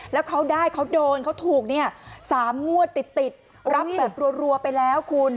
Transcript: แล้วเขาได้เขาโดนเขาถูกเนี่ย๓งวดติดรับแบบรัวไปแล้วคุณ